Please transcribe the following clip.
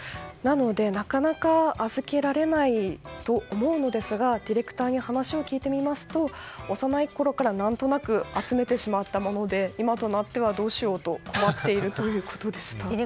なのでなかなか預けられないと思うのですがディレクターに話を聞いてみますと幼いころから何となく集めてしまったもので今となってはどうしようと困っているということでした。